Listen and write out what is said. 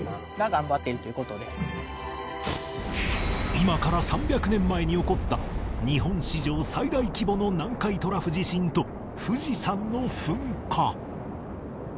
今から３００年前に起こった日本史上最大規模の南海トラフ地震と富士山の噴火